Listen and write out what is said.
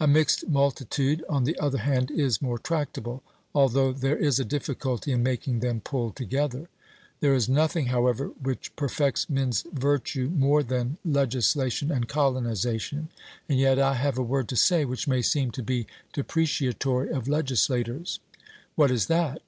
A mixed multitude, on the other hand, is more tractable, although there is a difficulty in making them pull together. There is nothing, however, which perfects men's virtue more than legislation and colonization. And yet I have a word to say which may seem to be depreciatory of legislators. 'What is that?'